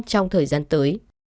trong thời gian tới